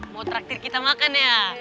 mau traktir kita makan ya